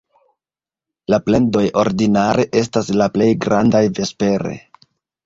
La plendoj ordinare estas la plej grandaj vespere.